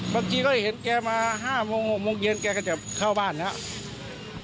บางทีก็ได้เห็นแกมา๕๖โมงเย็นแกกระจับเข้าบ้านรับ